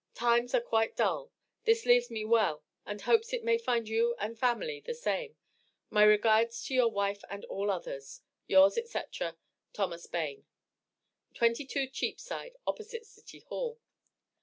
Times are quite dull. This leaves me well and hope it may find you and family the same. My regards to your wife and all others. Yours, &c., THOMAS BAYNE, 22 Cheapside, opposite City Hall.